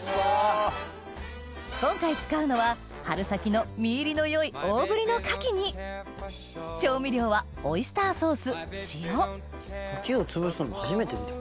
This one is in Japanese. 今回使うのは春先の身入りのよい大ぶりの牡蠣に調味料は牡蠣をつぶすの初めて見た。